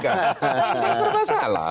tidak ada masalah